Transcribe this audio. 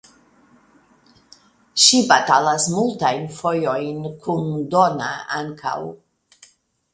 Ŝi batalas multajn fojojn kun Donna ankaŭ.